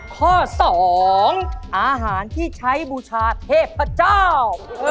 ข้อ๒อาหารที่ใช้บูชาเทพเจ้า